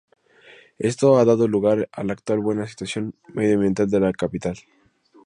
Esto ha dado lugar a la actual buena situación medio ambiental de la capital.